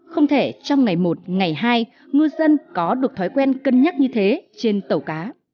không thể trong ngày một ngày hai ngư dân có được thói quen cân nhắc như thế trên tàu cá